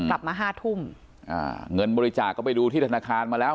กลับมาห้าทุ่มอ่าเงินบริจาคก็ไปดูที่ธนาคารมาแล้ว